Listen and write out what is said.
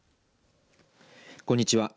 こんにちは。